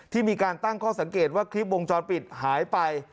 มีการตั้งข้อสังเกตว่าคลิปวงจรปิดหายไป